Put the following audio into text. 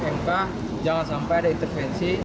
untuk bagaimana independensi hakim mk jangan sampai ada intervensi